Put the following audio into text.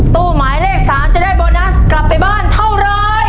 ตู้หมายเลข๓จะได้โบนัสกลับไปบ้านเท่าไร